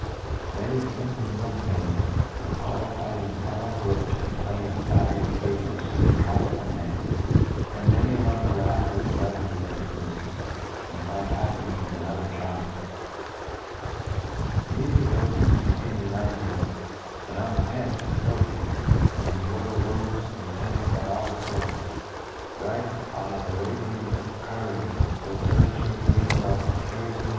inany a fimple milk maid is qualified in^ the filent grove to complain of flattering, faithlefe, and inconfbmt man — and many a lover laughs at the levity of his miflrefe, ' and finds happincfs in another charmer, *"• Thcfe rejoicings continue nine days ; and on the tenth the Sophi, in his royal robes, and at tended by all his court, rides on an Arabian coUrffcr, with furniture of green velvet curioufly embroidered INTRODUCTION.